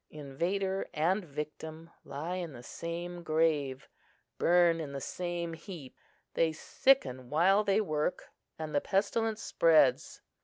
Invader and victim lie in the same grave, burn in the same heap; they sicken while they work, and the pestilence spreads.